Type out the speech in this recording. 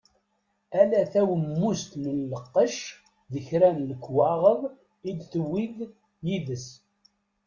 Ala tawemmust n lqec d kra n lekwaɣeḍ i d-tewwi d yid-s.